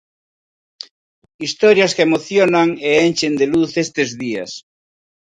Historias que emocionan e enchen de luz estes días.